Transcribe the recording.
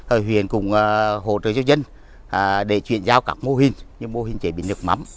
ở huyện cũng hỗ trợ cho dân để chuyển giao các mô hình như mô hình chế biến nước mắm